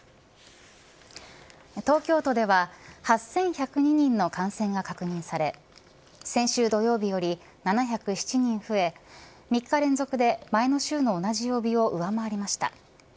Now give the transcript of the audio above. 東京都では８１０２人の感染が確認され先週土曜日より７０７人増え３日連続で前の週の同じ曜日を上回りました。